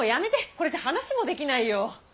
これじゃ話もできないよ！